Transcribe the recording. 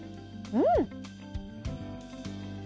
うん！